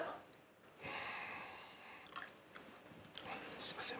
すいません。